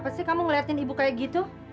kenapa sih kamu ngeliatin ibu kayak gitu